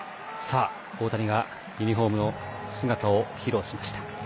大谷がユニフォーム姿を披露しました。